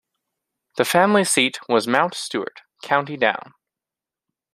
The family seat was Mount Stewart, County Down.